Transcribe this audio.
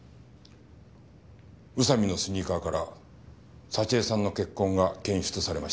宇佐美のスニーカーから沙知絵さんの血痕が検出されました。